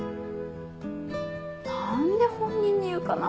何で本人に言うかな？